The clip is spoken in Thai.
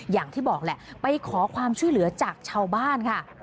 อย่างที่บอกแหละไปขอความช่วยเหลือจากชาวบ้านค่ะ